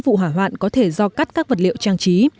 vụ hỏa hoạn có thể do cắt các vật liệu trang trí